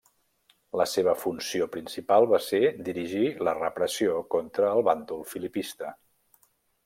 La seva funció principal va ser dirigir la repressió contra el bàndol filipista.